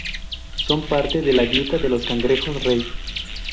Son parte de la dieta de los cangrejos rey.